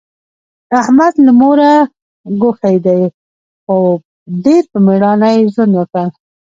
احمد له موره ګوښی دی، خو ډېر په مېړانه یې ژوند وکړ.